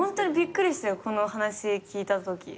この話聞いたとき。